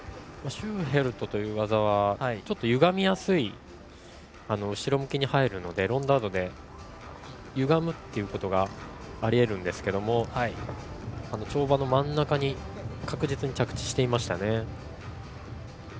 シューフェルトという技はちょっとゆがみやすい後ろ向きに入るのでロンダートで、ゆがむことがあり得るんですけど跳馬の真ん中に確実に着地していましたね。